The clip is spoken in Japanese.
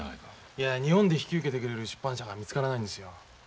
いや日本で引き受けてくれる出版社が見つからないんですよ。